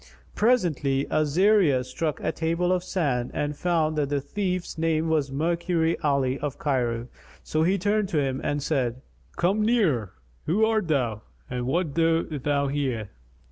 Presently Azariah struck a table of sand and found that the thief's name was Mercury Ali of Cairo; so he turned to him and said, "Come nearer! Who art thou and what dost thou here?"